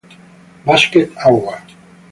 Basket Award".